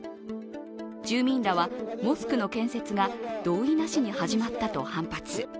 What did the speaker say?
住民らは、モスクの建設が同意なしに始まったと反発。